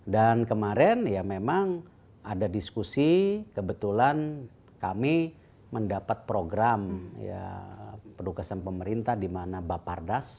dan kemarin ya memang ada diskusi kebetulan kami mendapat program ya pendukusan pemerintah di mana bapardas